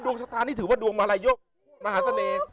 ดวงชะตานี่ถือว่าดวงมาลัยยกมหาศเมฆ